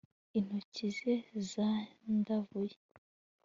intoki ze zandavuye